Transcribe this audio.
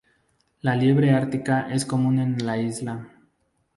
La Liebre ártica es común en la isla.